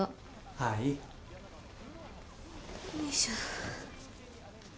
はい。よいしょ。